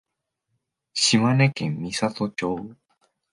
島根県美郷町